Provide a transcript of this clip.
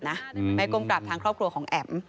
ในกลุ่มกลับทางครอบครัวของแอ๋ม